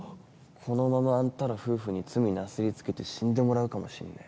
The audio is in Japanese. このままあんたら夫婦に罪なすりつけて死んでもらうかもしんねぇ。